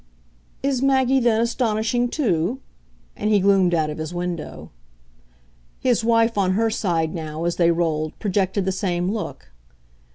"Is Maggie then astonishing too?" and he gloomed out of his window. His wife, on her side now, as they rolled, projected the same look.